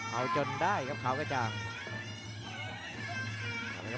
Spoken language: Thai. เอาจนได้ครับขาวกระจ่าง